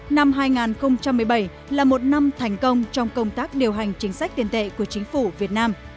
năm hai nghìn một mươi bảy là một năm thành công trong công tác điều hành chính sách tiền tệ của chính phủ việt nam